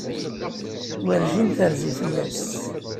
Werjin terzi fell-as.